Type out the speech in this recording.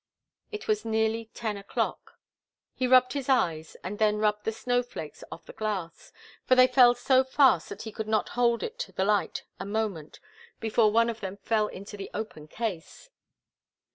It was nearly ten o'clock. He rubbed his eyes, and then rubbed the snow flakes off the glass, for they fell so fast that he could not hold it to the light a moment before one of them fell into the open case.